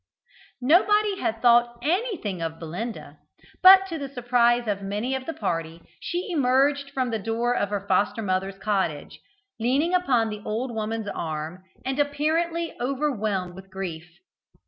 Nobody had thought anything of Belinda; but, to the surprise of many of the party, she emerged from the door of her foster mother's cottage, leaning upon the old woman's arm, and apparently overwhelmed with grief.